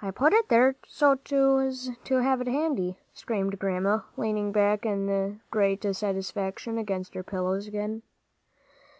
"I put it there so's to have it handy," screamed Grandma, leaning back in great satisfaction against her pillows again.